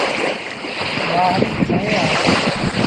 مهآريٚ کڻي آ۔